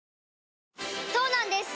そうなんです